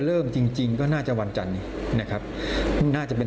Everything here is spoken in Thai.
จริงจริงก็น่าจะวันจันทร์นี้นะครับน่าจะเป็น